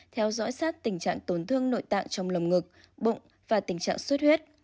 theo dõi sát tình trạng tổn thương nội tạng trong lồng ngực bụng và tình trạng xuất huyết